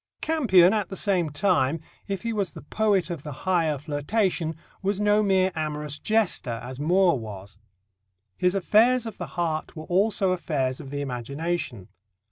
Campion, at the same time, if he was the poet of the higher flirtation, was no mere amorous jester, as Moore was. His affairs of the heart were also affairs of the imagination.